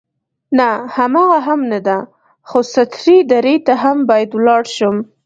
نه، هماغه هم نه ده، خو سترې درې ته هم باید ولاړ شم.